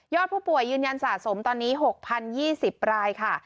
ผู้ป่วยยืนยันสะสมตอนนี้๖๐๒๐รายค่ะ